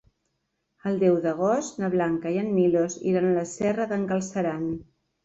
El deu d'agost na Blanca i en Milos iran a la Serra d'en Galceran.